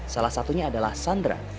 salah satunya adalah sandra